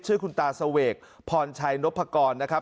ชื่อคุณตาเสวกพรชัยนพกรนะครับ